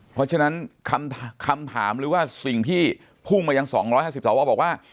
เพราะฉะนั้นคำคำถามหรือว่าสิ่งพี่พุ่งมาอย่างสองร้อยห้าสิบสองว่าบอกว่า